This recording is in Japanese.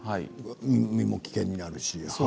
身も危険になりますし。